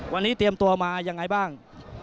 วันนี้เตรียมตัวมายังไงบ้าง